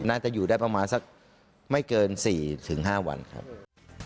น่าจะอยู่ได้ประมาณสักไม่เกินสี่ถึงห้าวันครับ